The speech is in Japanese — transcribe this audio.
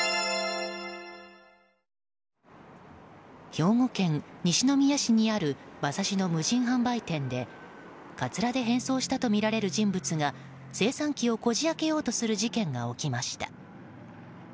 兵庫県西宮市にある馬刺しの無人販売店でカツラで変装したとみられる人物が精算機をこじ開けようとした事件が起きました。